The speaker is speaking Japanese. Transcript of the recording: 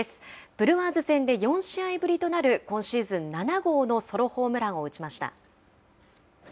ブルワーズ戦で４試合ぶりとなる今シーズン７号のソロホームランを打ちました。